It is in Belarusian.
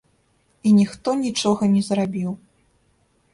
І ніхто нічога не зрабіў.